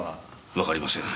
わかりません。